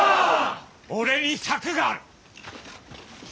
俺に策がある。